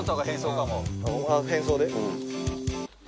変装で。